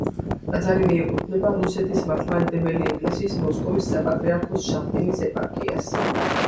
ტაძარი მიეკუთვნება რუსეთის მართლმადიდებელი ეკლესიის მოსკოვის საპატრიარქოს შახტინის ეპარქიას.